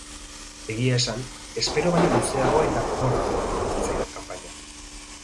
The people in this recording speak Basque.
Egia esan, espero baino luzeagoa eta gogorragoa egin zitzaidan kanpaina.